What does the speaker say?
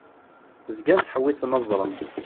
Zgan ttḥewwisen ad ẓren.